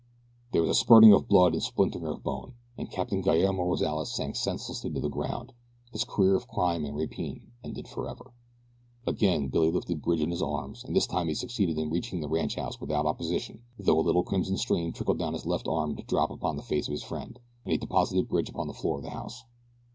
There was a spurting of blood and a splintering of bone, and Captain Guillermo Rozales sank senseless to the ground, his career of crime and rapine ended forever. Again Billy lifted Bridge in his arms and this time he succeeded in reaching the ranchhouse without opposition though a little crimson stream trickled down his left arm to drop upon the face of his friend as he deposited Bridge upon the floor of the house.